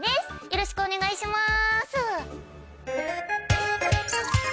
よろしくお願いします。